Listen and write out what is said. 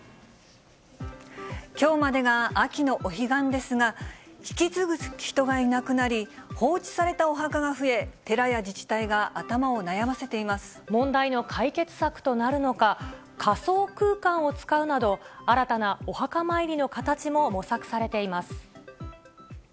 きょうまでが秋のお彼岸ですが、引き継ぐ人がいなくなり、放置されたお墓が増え、寺や自治体が頭問題の解決策となるのか、仮想空間を使うなど、新たなお墓参りの形も模索されています。